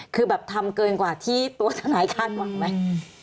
คือแบบทำเกินกว่าที่ตัวทนายคาดหวังไหม